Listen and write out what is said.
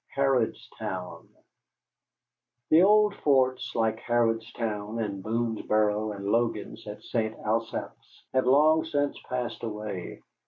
HARRODSTOWN The old forts like Harrodstown and Boonesboro and Logan's at St. Asaph's have long since passed away.